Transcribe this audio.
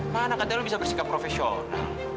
mana katanya lu bisa bersikap profesional